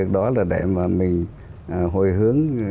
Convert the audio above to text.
để mà mình hồi hướng